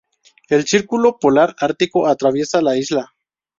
El círculo polar ártico atraviesa la isla.